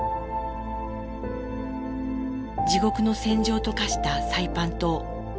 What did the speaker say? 地獄の戦場と化したサイパン島。